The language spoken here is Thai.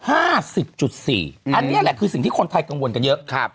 อันนี้แหละคือสิ่งที่คนไทยกังวลกันเยอะ